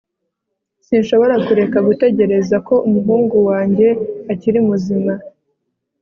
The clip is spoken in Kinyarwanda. Sinshobora kureka gutekereza ko umuhungu wanjye akiri muzima